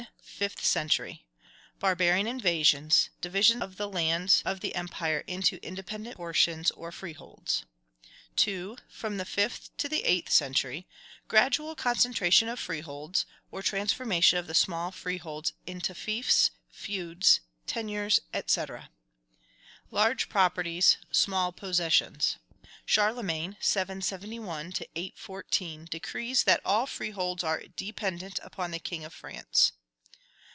Fifth century. Barbarian invasions; division of the lands of the empire into independent portions or freeholds. 2. From the fifth to the eighth century. Gradual concentration of freeholds, or transformation of the small freeholds into fiefs, feuds, tenures, &c. Large properties, small possessions. Charlemagne (771 814) decrees that all freeholds are dependent upon the king of France.